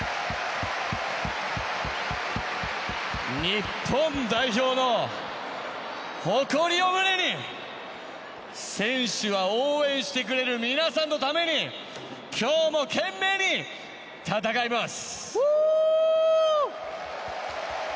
日本代表の誇りを胸に選手は応援してくれる皆さんのために今日も懸命に戦います！